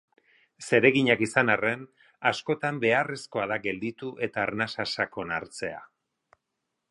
Zereginak izan arren, askotan beharrezkoa da gelditu eta arnasa sakon hartzea.